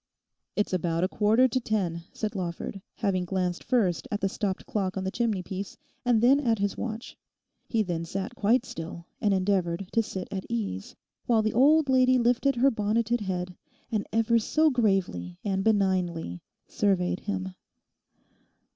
'It's about a quarter to ten,' said Lawford, having glanced first at the stopped clock on the chimney piece and then at his watch. He then sat quite still and endeavoured to sit at ease, while the old lady lifted her bonneted head and ever so gravely and benignly surveyed him.